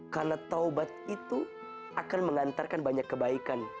karena tobat itu akan mengantarkan banyak kebaikan